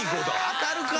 当たるか！